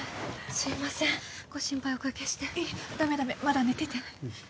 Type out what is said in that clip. すいませんご心配おかけしていいダメダメまだ寝ててうん